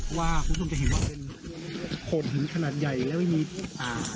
เพราะว่าคุณผู้ชมจะเห็นว่าเป็นโขมถึงขนาดใหญ่แล้วไม่มีอ่า